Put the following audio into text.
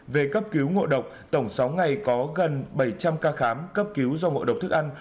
về cấp cứu ngộ độc tổng sáu ngày có gần bảy trăm linh ca khám cấp cứu do ngộ độc thức ăn